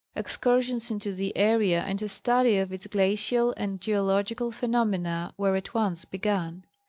Excursions into this area and a study of its glacial and geological phenomena were at once begun.